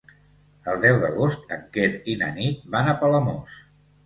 El deu d'agost en Quer i na Nit van a Palamós.